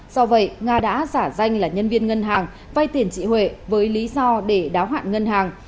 do vậy nga đã giả danh là nhân viên ngân hàng vay tiền chị huệ với lý do để đáo hạn ngân hàng